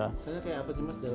apa sih mas